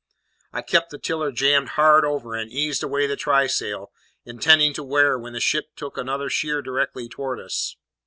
I kept the tiller jammed hard over, and eased away the trysail sheet, intending to wear, when the ship took another sheer directly towards us.